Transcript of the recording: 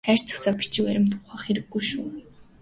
Хайрцаг сав бичиг баримт ухах хэрэггүй шүү.